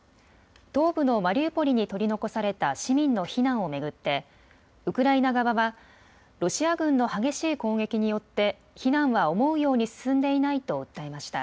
東部のマリウポリに取り残された市民の避難を巡ってウクライナ側はロシア軍の激しい攻撃によって避難は思うように進んでいないと訴えました。